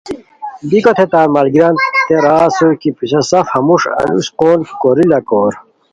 بیکو تھے تان ملگیریانتے را اسور کی پِسہ سف ہموݰ انوسو قون کوری لاکور